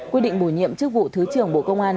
quyết định bổ nhiệm chức vụ thứ trưởng bộ công an